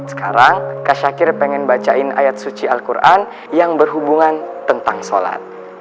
sekarang kak syakir pengen bacain ayat suci al quran yang berhubungan tentang sholat